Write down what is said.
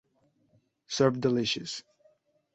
Served Delicious"".